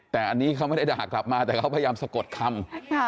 แต่อันนี้เขาไม่ได้ด่ากลับมาแต่เขาพยายามสะกดคำ